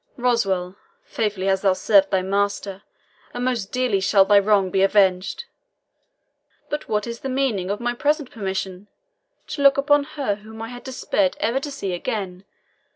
Roswal, faithfully hast thou served thy master, and most dearly shall thy wrong be avenged! But what is the meaning of my present permission to look upon her whom I had despaired ever to see again?